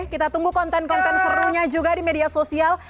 kita tunggu konten konten serunya juga di media sosial